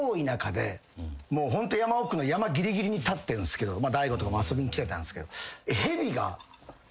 ホント山奥の山ぎりぎりに立ってんすけど大悟とかも遊びにきてたんすけど。